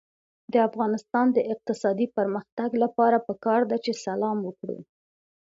د افغانستان د اقتصادي پرمختګ لپاره پکار ده چې سلام وکړو.